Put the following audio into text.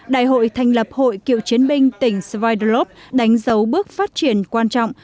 đại hội thành lập hội cựu chiến binh tỉnh svirlov đánh dấu bước phát triển quan trọng